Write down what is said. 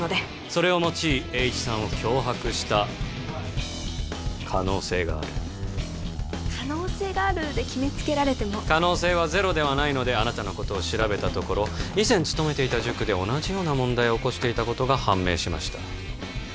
それを用い栄一さんを脅迫した可能性がある「可能性がある」で決めつけられても可能性はゼロではないのであなたのことを調べたところ以前勤めていた塾で同じような問題を起こしていたことが判明しました